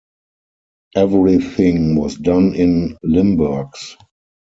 Everything was done in Limburgs.